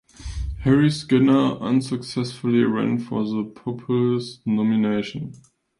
Harry Skinner unsuccessfully ran for the Populist nomination.